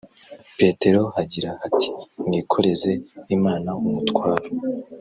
Petero hagira hati mwikoreze Imana umutwaro